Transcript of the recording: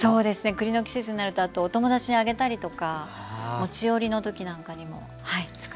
栗の季節になるとお友達にあげたりとか持ち寄りの時なんかにもつくってます。